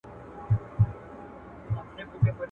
له عالمه پټ پنهان د زړه په ویر یم ».